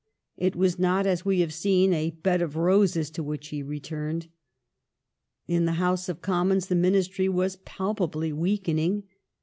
It was not, as we have seen, a bed of roses to which he returned. In the House of Commons the Ministry was palpably weakening.